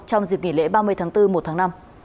trong dịp nghỉ lễ ba mươi tháng bốn một tháng năm